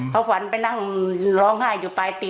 เขาฝันไปนั่งร้องไห้อยู่ปลายปี